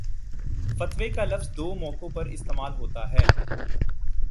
فتوے کا لفظ دو موقعوں پر استعمال ہوتا ہے